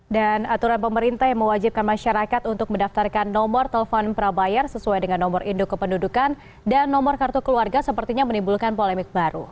dan aturan pemerintah yang mewajibkan masyarakat untuk mendaftarkan nomor telepon prabayar sesuai dengan nomor induk kependudukan dan nomor kartu keluarga sepertinya menimbulkan polemik baru